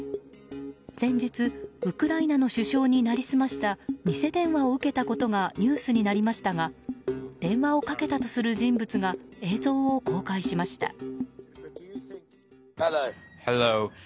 先日、ウクライナの首相になりすました偽電話を受けたことがニュースになりましたが電話をかけたとする人物が映像を公開しました。